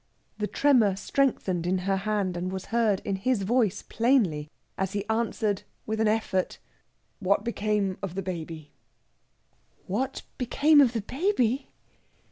The tremor strengthened in her hand and was heard in his voice plainly as he answered with an effort: "What became of the baby?" "What became of the baby!"